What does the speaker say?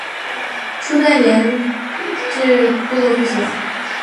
初置年代及部落均不详。